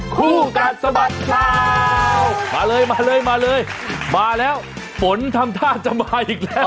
คู่กัดสะบัดข่าวมาเลยมาเลยมาเลยมาแล้วฝนทำท่าจะมาอีกแล้ว